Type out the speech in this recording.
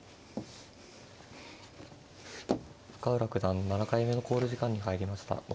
深浦九段７回目の考慮時間に入りました。